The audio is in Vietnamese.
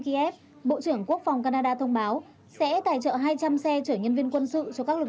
kiev bộ trưởng quốc phòng canada thông báo sẽ tài trợ hai trăm linh xe chở nhân viên quân sự cho các lực